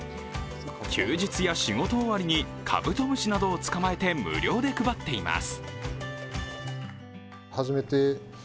休日や仕事終わりにカブトムシなどを捕まえて無料で配っています。